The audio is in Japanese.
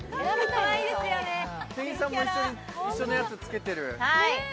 店員さんも一緒のやつつけてる。